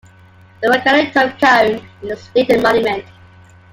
The volcanic tuff cone is a State Monument.